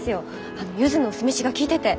あのゆずの酢飯が利いてて。